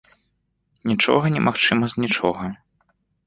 Нічога немагчыма з нічога.